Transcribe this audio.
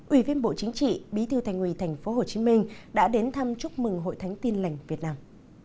ủy viên bộ chính trị bí thư thành ủy tp hcm đã đến thăm chúc mừng hội thánh tin lành việt nam